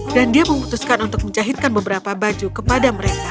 dan dia memutuskan untuk menjahitkan beberapa baju kepada mereka